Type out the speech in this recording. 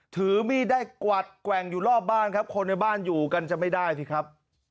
ถือมีดได้กวัดแกว่งอยู่รอบบ้านครับคนในบ้านอยู่กันจะไม่ได้สิครับ